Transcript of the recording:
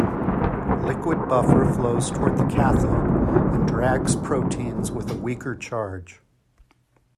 Liquid buffer flows towards the cathode, and drags proteins with a weaker charge.